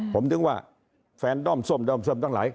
ผมถึงว่าแฟนด้อมส้มด้อมส้มทั้งหลาย